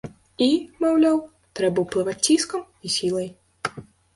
І, маўляў, трэба ўплываць ціскам і сілай.